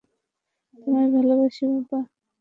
তোমায় ভালোবাসি, বাবা।